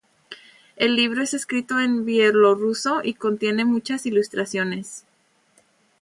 El libro es escrito en bielorruso y contiene muchas ilustraciones.